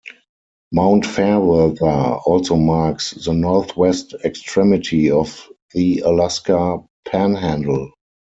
Mount Fairweather also marks the northwest extremity of the Alaska Panhandle.